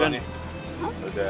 terima kasih bang chandra